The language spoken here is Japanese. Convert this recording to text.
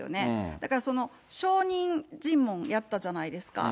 だから証人尋問やったじゃないですか。